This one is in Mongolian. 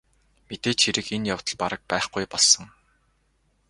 Мэдээж хэрэг энэ явдал бараг байхгүй болсон.